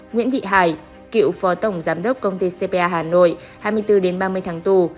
nguyễn thị hải cựu phó tổng giám đốc công ty cpa hà nội hai mươi bốn ba mươi tháng tù